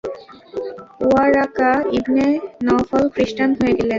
Waraqah ibn Nawfal খৃস্টান হয়ে গেলেন।